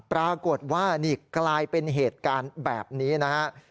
ปรากฏว่านี่กลายเป็นเหตุการณ์แบบนี้นะฮะ